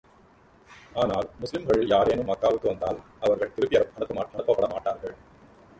ஆனால், முஸ்லிம்களில் யாரேனும் மக்காவுக்கு வந்தால், அவர்கள் திருப்பி அனுப்பப்பட மாட்டார்கள்.